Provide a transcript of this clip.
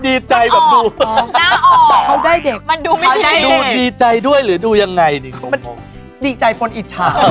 ดีใจด้วยได้ยังไงคุณแม่ค่ะน่าออกเขาได้เด็กดีใจด้วยหรือดูยังไงดีใจฝนอิจฉา